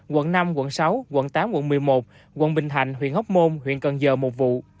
quận năm quận sáu quận tám quận một mươi một quận bình thạnh huyện hóc môn huyện cần giờ một vụ